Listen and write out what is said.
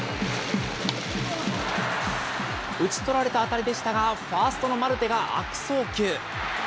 打ち取られた当たりでしたが、ファーストのマルテが悪送球。